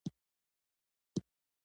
• د وخت ضایع کول ژوند ضایع کول دي.